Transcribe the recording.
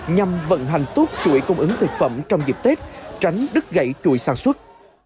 nhằm vận hành tốt chuỗi cung ứng thực phẩm trong dịp tết tránh đứt gãy chuỗi sản xuất